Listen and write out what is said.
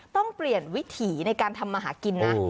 ต้องเปลี่ยนวิถีในการทำมาหากินนะ